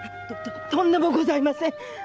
とんでもございません。